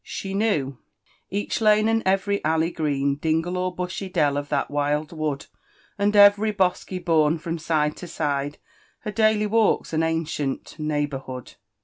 She knQW «* ——Each lane, and every alley green. Dingle or bu«by dell, of t|ia| wild wood. And eyery bosky bourn from sit^e to sJide^ Her daily walks, and ancient neighbourhood.